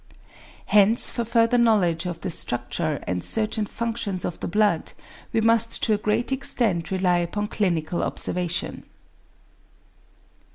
Hence for further knowledge of the "structure" and certain functions of the blood we must to a great extent rely upon clinical observation.